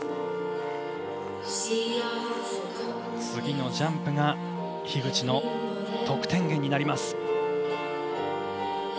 次のジャンプが樋口の得点源になります。